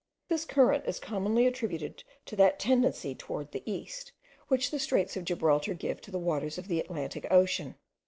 This current is commonly attributed to that tendency towards the east, which the straits of Gibraltar give to the waters of the Atlantic Ocean.